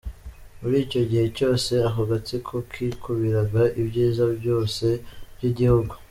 Muri icyo gihe cyose ako gatsiko kikubiraga ibyiza byose by’igihugu.